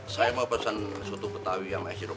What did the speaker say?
saya mau pesan soto petawi sama es sirup